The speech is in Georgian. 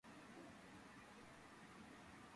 დაკრძალულია მონმარტრის სასაფლაოზე, პარიზში.